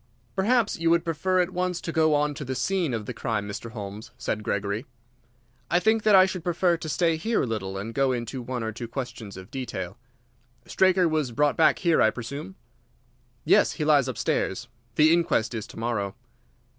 "Perhaps you would prefer at once to go on to the scene of the crime, Mr. Holmes?" said Gregory. "I think that I should prefer to stay here a little and go into one or two questions of detail. Straker was brought back here, I presume?" "Yes; he lies upstairs. The inquest is to morrow."